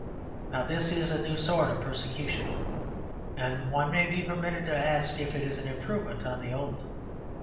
Now this is a new sort of persecution; and one may be permitted to ask if it is an improvement on the old.